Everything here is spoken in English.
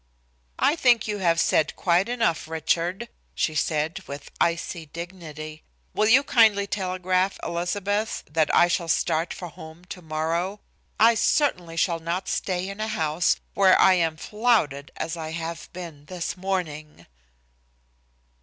"I think you have said quite enough, Richard," she said, with icy dignity. "Will you kindly telegraph Elizabeth that I shall start for home tomorrow? I certainly shall not stay in a house where I am flouted as I have been this morning."